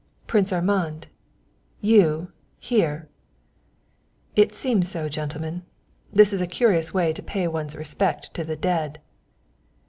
"Prince Armand you here!" "It seems so, gentlemen. This is a curious way to pay one's respect to the dead."